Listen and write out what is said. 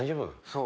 そう。